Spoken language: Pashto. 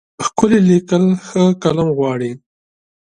ښکلي لیکل ښه قلم غواړي.